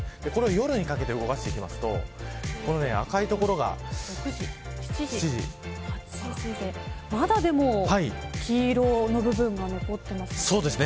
夜にかけて動かしていきますと赤い所がまだ黄色の部分が残っていますね。